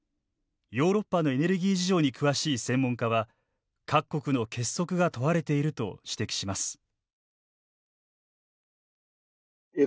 ヨーロッパのエネルギー事情に詳しい専門家は各国の結束が問われていると指摘します。